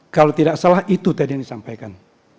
kalau tidak salah itu tadi yang disampaikan